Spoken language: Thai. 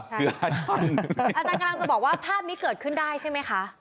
อาจารย์กำลังจะบอกว่าภาพนี้เกิดขึ้นได้ใช่ไหมคะ